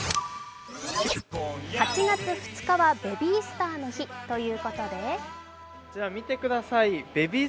８月２日はベビースターの日ということで。